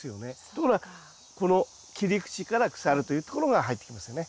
ところがこの切り口から腐るというところが入ってきますね。